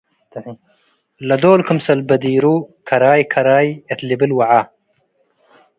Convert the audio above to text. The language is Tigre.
ለዶል ክምሰል በዲሩ፤ “ከራይ! ከራይ!” እት ልብል ወዐ።